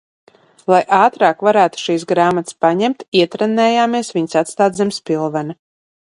Lai ātrāk varētu šīs grāmatas paņemt, ietrenējāmies viņas atstāt zem spilvena.